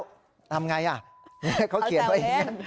ทำไงอ่ะเขาเขียนไว้อย่างนี้